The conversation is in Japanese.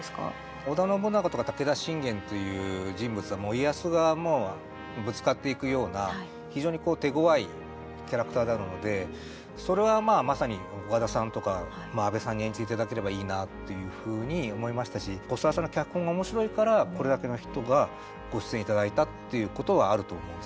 織田信長とか武田信玄という人物は、家康がもうぶつかっていくような非常に手ごわいキャラクターなのでそれは、まさに岡田さんとか阿部さんに演じていただければいいなっていうふうに思いましたし古沢さんの脚本がおもしろいからこれだけの人がご出演いただいたっていうことはあると思うんです。